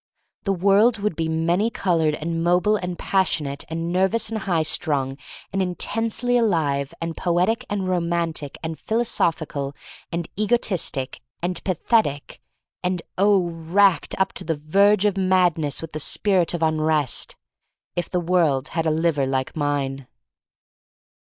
The world would be many colored and mobile and passionate and nervous and high strung and intensely alive and poetic and romantic and philosophical and egotistic and pa THE STORY OF MARY MAC LANE 25 1 thetic, and, oh, racked to the verge of madness with the spirit of unrest — if the world had a liver ^like mine.